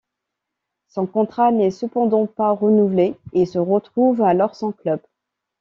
Son contrat n'est cependant pas renouvelé et il se retrouve alors sans club.